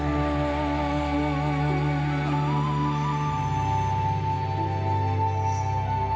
โปรดติดตามตอนต่อไป